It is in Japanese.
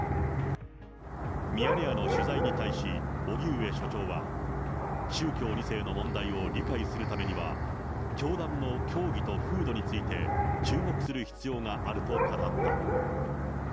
ミヤネ屋の取材に対し、荻上所長は、宗教２世の問題を理解するためには、教団の教義と風土について、注目する必要があると語った。